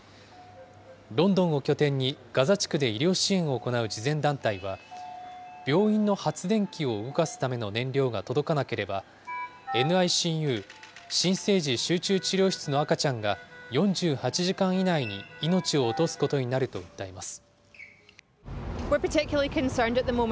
ロンドンを拠点にガザ地区で医療支援を行う慈善団体は、病院の発電機を動かすための燃料が届かなければ、ＮＩＣＵ・新生児集中治療室の赤ちゃんが４８時間以内に命を落とすことになると訴えます。